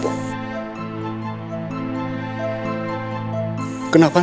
ada apa ya